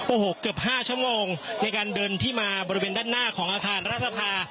โอ้โหเกือบ๕ชั่วโมงในการเดินที่มาบริเวณด้านหน้าของอาคารรัฐสภา